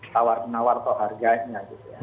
tawar nawar keharganya gitu ya